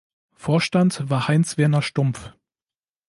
Vorstand war Heinz-Werner Stumpf.